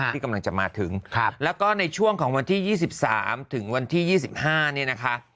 ที่กำลังจะมาถึงแล้วก็ในช่วงของวันที่๒๓ถึงวันที่๒๕เนี่ยนะคะ